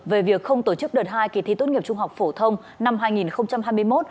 về việc không tổ chức đợt hai kỳ thi tốt nghiệp trung học phổ thông năm hai nghìn hai mươi một